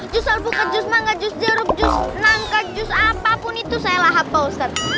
jus alpukat jus mangga jus jeruk jus nangka jus apapun itu saya lahap pak ustaz